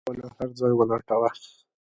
کليوالو هرځای ولټاوه.